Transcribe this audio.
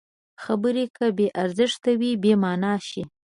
خبرې که بې ارزښته وي، بېمانا شي.